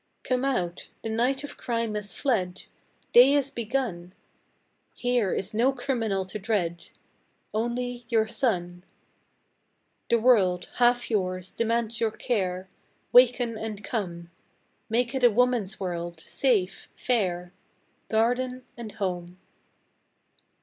Come out! The night of crime has fled Day is begun; Here is no criminal to dread Only your son. The world, half yours, demands your care, Waken and come! Make it a woman's world; safe, fair, Garden and home.